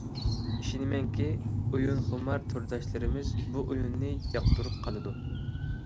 ئىشىنىمەنكى ئويۇنخۇمار تورداشلىرىمىز بۇ ئويۇننى ياقتۇرۇپ قالىدۇ.